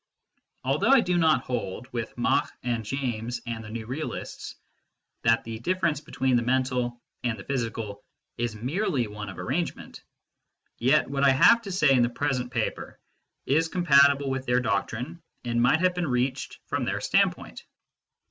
Although I do npjt hold, with Mach and James and the "new realists," that the difference between the mental and the physical is merely one of arrangement, yet what I have to say in the present paper is compatible with their doctrine and might have been reached from their standpoint.